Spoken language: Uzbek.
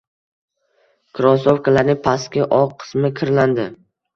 Krosovkalarni pastki oq qismi kirlandi.